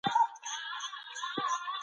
هغوی ټوله ورځ په کروندو کې کار کاوه.